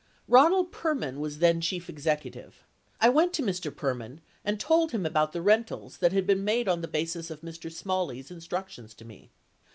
Ronald Perman was then chief executive. I went to Mr. Perman and told him about the rentals that had made on the basis of Mr. Smalley's instructions to me.